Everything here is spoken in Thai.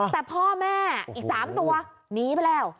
แต่พ่อแม่อีก๓ตัวหนีไปแล้ว